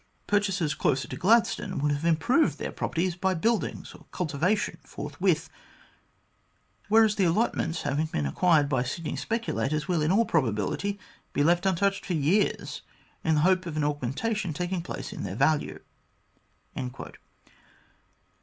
Purchasers closer to Gladstone would have improved their properties by buildings or cultivation forthwith, whereas the allotments, having been mostly acquired by Sydney speculators, will, in all probability, be left untouched for years in the hope of an augmentation taking place in their value."